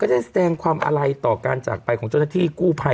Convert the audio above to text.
ได้แสดงความอาลัยต่อการจากไปของเจ้าหน้าที่กู้ภัย